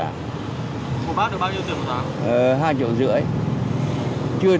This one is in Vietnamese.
một bát được bao nhiêu tiền một tảng